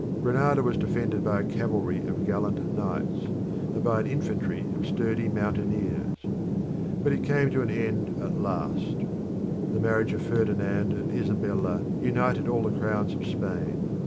Granada was defended by a cavalry of gallant knights, and by an infantry of sturdy mountaineers. But it came to its end at last. The marriage of Ferdinand and Isabella united all the crowns of Spain.